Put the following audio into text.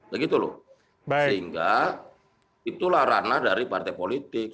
begitu loh sehingga itulah ranah dari partai politik